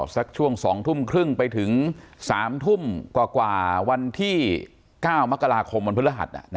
สักช่วง๒ทุ่มครึ่งไปถึง๓ทุ่มกว่าวันที่๙มกราคมวันพฤหัส